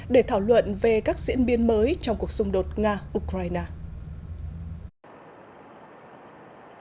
để thảo luận về các diễn biến mới trong cuộc xung đột nga ukraine